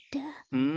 うん。